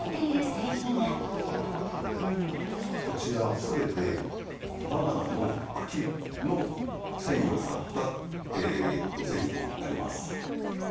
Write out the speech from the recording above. こちら、すべてバナナの茎の繊維を使った製品になります。